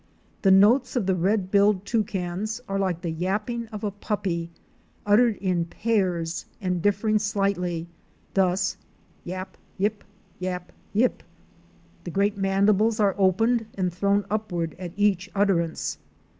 The notes of the Red billed Toucans are like the yapping of a puppy, uttered in pairs and differ ing slightly, thus, yap! yip! yap! yip! The great mandibles are opened and thrown upward at each utterance.